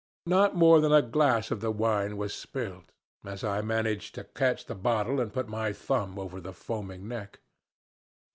Not more than a glass of the wine was spilt, as I managed to catch the bottle and put my thumb over the foaming neck.